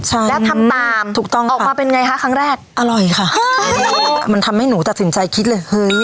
ใช่แล้วทำตามถูกต้องออกมาเป็นไงคะครั้งแรกอร่อยค่ะมันทำให้หนูตัดสินใจคิดเลยเฮ้ย